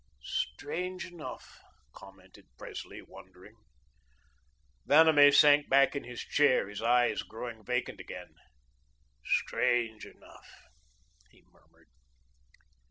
"Strange enough," commented Presley, wondering. Vanamee sank back in his chair, his eyes growing vacant again: "Strange enough," he murmured.